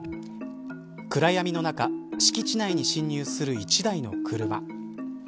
暗闇の中敷地内に侵入する１台の車。